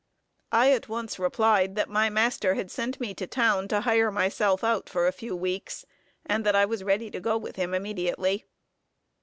I at once replied that my master had sent me to town to hire myself out for a few weeks, and that I was ready to go with him immediately.